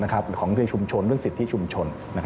ของเรื่องสิทธิชุมชนเรื่องสิทธิชุมชน